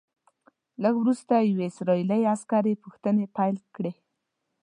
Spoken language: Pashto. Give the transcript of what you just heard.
لږ وروسته یوې اسرائیلي عسکرې پوښتنې پیل کړې.